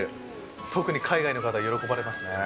特に海外の方、喜ばれますね。